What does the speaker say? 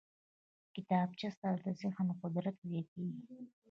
کتابچه سره ذهني قدرت زیاتېږي